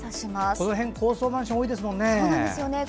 この辺、高層マンション多いですもんね。